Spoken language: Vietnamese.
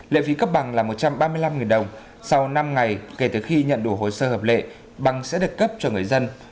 lệ phí cấp bằng là một trăm ba mươi năm đồng sau năm ngày kể từ khi nhận đủ hồ sơ hợp lệ bằng sẽ được cấp cho người dân